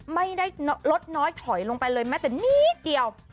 ไม่ได้ลดน้อยถอยลงไปเลยแม้แต่นิดเดียว